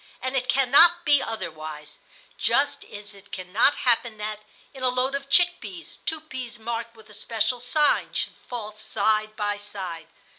And it cannot be otherwise, just as it cannot happen that, in a load of chick peas, two peas marked with a special sign should fall side by side.